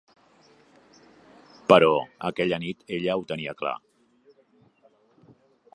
Però aquella nit ella ho tenia clar.